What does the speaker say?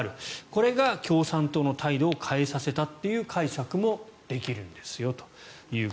これが共産党の態度を変えさせたという解釈もできるんですよと。